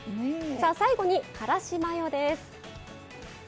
最後にからしマヨです。